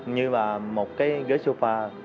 như là một cái ghế sofa